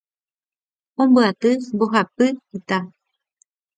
Ombyaty mbohapy ita